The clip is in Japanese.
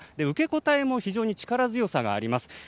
受け答えも非常に力強さがあります。